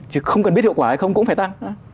chứ không cần biết hiệu quả hay không cũng phải tăng nữa